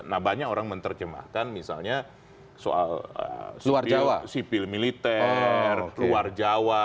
nah banyak orang menerjemahkan misalnya soal sipil militer luar jawa